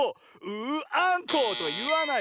「ううアンコウ！」といわない。